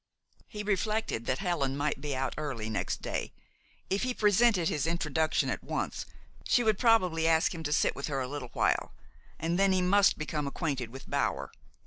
He reflected that Helen might be out early next day. If he presented his introduction at once, she would probably ask him to sit with her a little while, and then he must become acquainted with Bower.